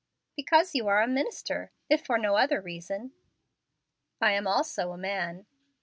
"Because you are a minister, if for no other reason." "I am also a man."